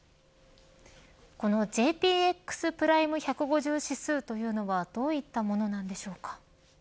このＪＰＸプライム１５０指数というのはどういったものなんでしょうか。